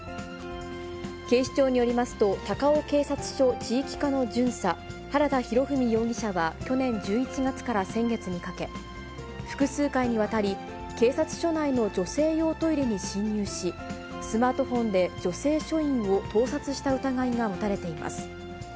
警視庁によりますと、高尾警察署地域課の巡査、原田宗史容疑者は去年１１月から先月にかけ、複数回にわたり、警察署内の女性用トイレに侵入し、スマートフォンで女性署員を盗撮した疑いが持たれています。